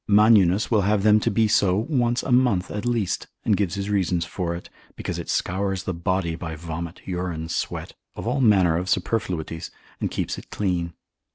Magninus Reg. san. part. 3. c. 31. will have them to be so once a month at least, and gives his reasons for it, because it scours the body by vomit, urine, sweat, of all manner of superfluities, and keeps it clean.